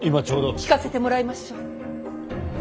聞かせてもらいましょう。